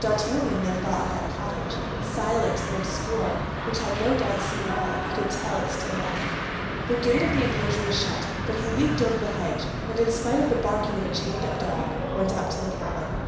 D'Artagnan then thought of that cottage, silent and obscure, which had no doubt seen all, and could tell its tale. The gate of the enclosure was shut; but he leaped over the hedge, and in spite of the barking of a chained up dog, went up to the cabin.